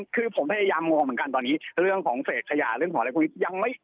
คือผมพยายามงงเหมือนกันตอนนี้เรื่องของเฟสขยะเรื่องของอะไรพวกนี้